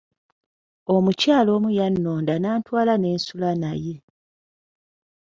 Omukyala omu yannonda n'antwala ne nsula naye.